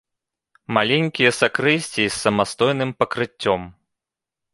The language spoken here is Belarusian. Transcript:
Маленькія сакрысціі з самастойным пакрыццём.